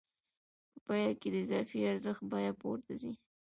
په پایله کې د اضافي ارزښت بیه پورته ځي